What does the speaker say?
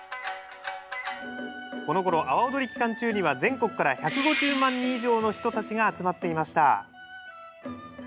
このころ阿波踊り期間中には全国から１５０万人以上の人たちが集まっていました。